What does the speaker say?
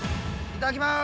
・いただきます